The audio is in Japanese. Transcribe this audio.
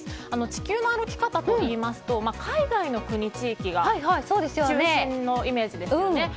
「地球の歩き方」といいますと海外の国、地域が中心のイメージですよね。